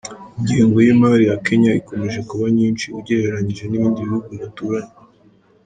Ingengo y’imari ya Kenya ikomeje kuba nyinshi ugereranyije n’ibindi bihugu baturanye.